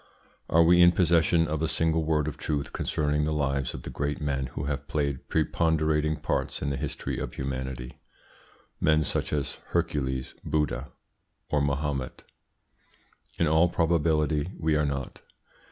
Are we in possession of a single word of truth concerning the lives of the great men who have played preponderating parts in the history of humanity men such as Hercules, Buddha, or Mahomet? In all probability we are not.